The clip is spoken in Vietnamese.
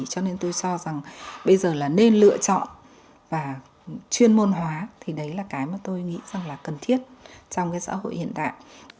cho nên tôi cho rằng bây giờ là nên lựa chọn và chuyên môn hóa thì đấy là cái mà tôi nghĩ rằng là cần thiết trong cái xã hội hiện đại